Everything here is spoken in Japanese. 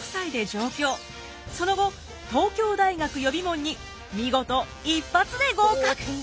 その後東京大学予備門に見事一発で合格！